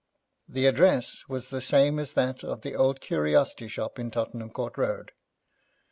The address was the same as that of the old curiosity shop in Tottenham Court Road.